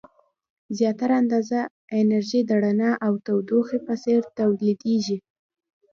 زیاتره اندازه انرژي د رڼا او تودوخې په څیر تولیدیږي.